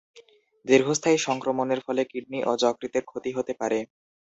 দীর্ঘস্থায়ী সংক্রমণের ফলে কিডনি ও যকৃতের ক্ষতি হতে পারে।